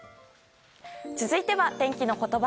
続いては、天気のことば。